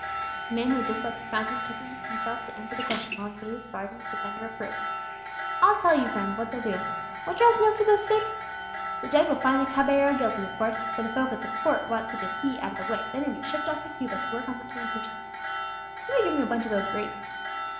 The man who had just left the fountain took on himself to answer the question, while he made his bargain with the vendor of fruit. "I'll tell you, friend, what they'll do. (What do you ask now for those figs?) The judge will find the caballero guilty, of course for the folk at the court want such as he out of the way; then he'll be shipped off to Cuba to work on the plantations. (You may give me a bunch of those grapes.)